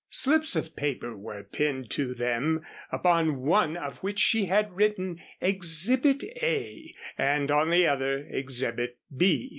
Slips of paper were pinned to them, upon one of which she had written "Exhibit A," and on the other "Exhibit B."